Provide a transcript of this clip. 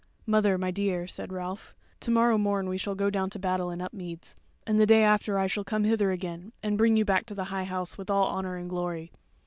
"Mother, my dear," said Ralph, "to morrow morn we shall go down to battle in Upmeads, and the day after I shall come hither again, and bring you back to the High House with all honour and glory.